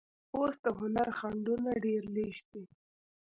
اوس د هنر خنډونه ډېر لږ دي.